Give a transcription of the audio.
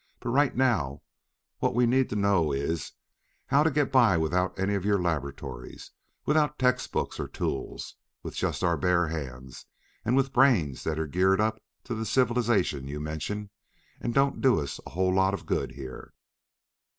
But right now what we need to know is how to get by without any of your laboratories, without text books or tools, with just our bare hands and with brains that are geared up to the civilization you mention and don't do us a whole lot of good here.